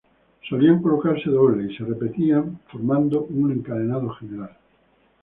Solían colocarse dobles y se repetían formando un encadenado general.